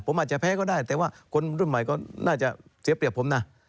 ผมอาจจะแพ้ก็ได้แต่ว่าคนรุ่นใหม่ก็น่าจะเสียเปรียบผมนะ